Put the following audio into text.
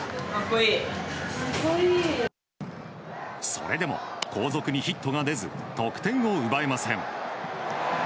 それでも後続にヒットが出ず得点を奪えません。